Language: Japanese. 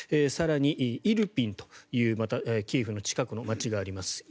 更にイルピンというキエフの近くの街があります。